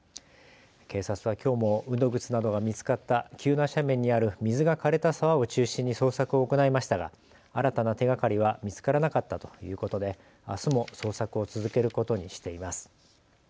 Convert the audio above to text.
警察はきょうも運動靴などが見つかった急な斜面にある水がかれた沢を中心に捜索を行いましたが新たな手がかりは見つからなかったということであすも捜索を続けることにしています。